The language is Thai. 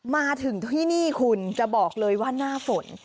มาถึงที่นี่คุณจะบอกเลยว่าหน้าฝน